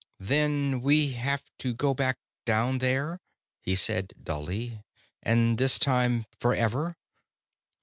"Then we have to go back down there," he said dully. "And this time forever."